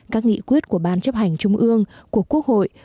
các nghị quyết của ban chấp hành trung ương của quốc hội